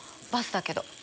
バスだけど。